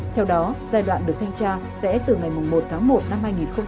theo đó giai đoạn được thanh tra sẽ từ ngày một tháng một năm hai nghìn hai mươi